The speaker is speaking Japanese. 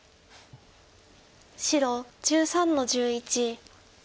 白１３の十一。